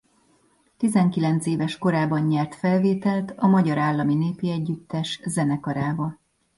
Tizenkilenc éves korában nyert felvételt a Magyar Állami Népi Együttes zenekarába.